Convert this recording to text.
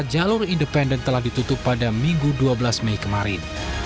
jalur independen telah ditutup pada minggu dua belas mei kemarin